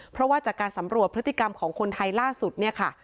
เพราะว่าจากการสำรวจพฤติกรรมของคนไทยล่าสุดเนี่ยค่ะ